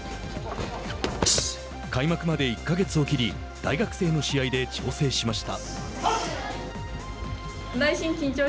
開幕まで１か月を切り大学生の試合で調整しました。